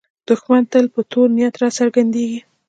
دښمن تل په تور نیت راڅرګندېږي